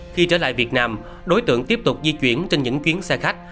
khi trở lại việt nam đối tượng tiếp tục di chuyển trên những chuyến xe khách